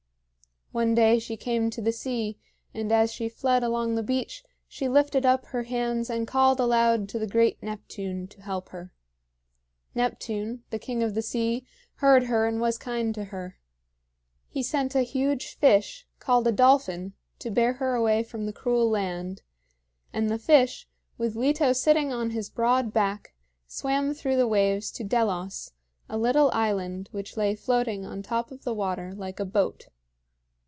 One day she came to the sea, and as she fled along the beach she lifted up her hands and called aloud to great Neptune to help her. Neptune, the king of the sea, heard her and was kind to her. He sent a huge fish, called a dolphin, to bear her away from the cruel land; and the fish, with Leto sitting on his broad back, swam through the waves to Delos, a little island which lay floating on top of the water like a boat.